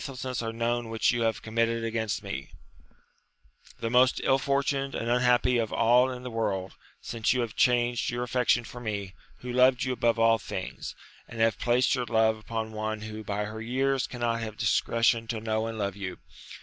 ^63 lessness are known which you have committed against me, the most ill fortuned and unhappy of all in the world, since you have changed your affection for me, who loved you above all things, and have placed your love upon one who by her years cannot have discre tion to know and love you.